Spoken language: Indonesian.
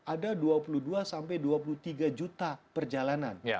ada dua puluh dua sampai dua puluh tiga juta perjalanan